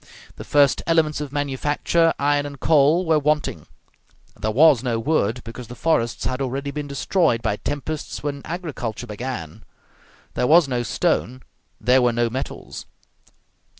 The first elements of manufacture, iron and coal, were wanting; there was no wood, because the forests had already been destroyed by tempests when agriculture began; there was no stone, there were no metals.